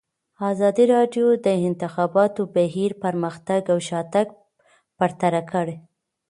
ازادي راډیو د د انتخاباتو بهیر پرمختګ او شاتګ پرتله کړی.